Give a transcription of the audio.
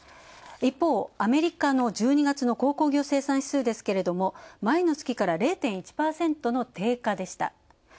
一方、アメリカの１２月の鉱工業生産指数ですけども前の月から０．１％の低下でした。